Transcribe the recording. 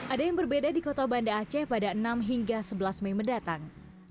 ada yang berbeda di kota banda aceh pada enam hingga sebelas mei mendatang